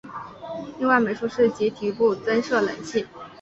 另外美术室及体育部增设冷气。